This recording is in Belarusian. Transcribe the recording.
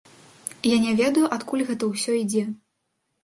Я не ведаю, адкуль гэта ўсё ідзе.